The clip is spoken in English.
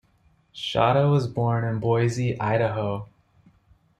Shada was born in Boise, Idaho.